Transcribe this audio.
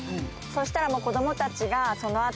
そしたら子供たちがその後。